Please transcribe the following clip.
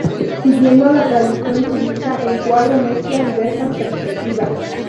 Siguiendo la tradición cubista, el cuadro mezcla diversas perspectivas.